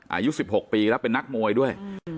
อายุ๑๖ปีแล้วเป็นนักมวยด้วย